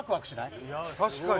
確かに。